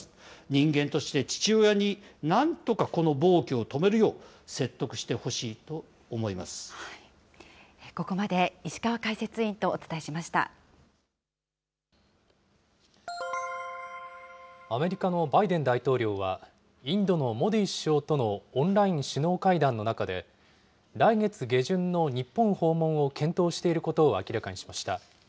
人間として父親になんとかこの暴挙を止めるよう説得してほしいとここまで石川解説委員とお伝アメリカのバイデン大統領は、インドのモディ首相とのオンラインの首脳会談の中で、来月下旬の日本訪問を検討していることを明らかにしました。